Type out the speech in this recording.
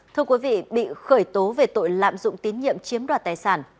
thưa quý vị bị khởi tố về tội lạm dụng tín nhiệm chiếm đoạt tài sản